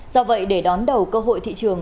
do vậy để đón đầu cơ hội thị trường